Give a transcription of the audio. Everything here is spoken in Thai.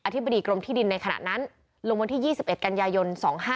ธิบดีกรมที่ดินในขณะนั้นลงวันที่๒๑กันยายน๒๕๖